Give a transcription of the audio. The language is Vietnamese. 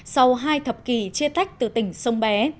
sau hai thập kỷ chia tách từ tỉnh sông bé